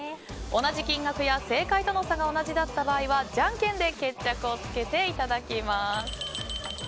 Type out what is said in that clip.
同じ金額や正解との差が同じだった場合はじゃんけんで決着をつけていただきます。